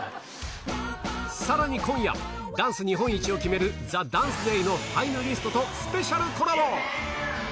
さらに今夜、ダンス日本一を決めるＴＨＥＤＡＮＣＥＤＡＹのファイナリストと、スペシャルコラボ。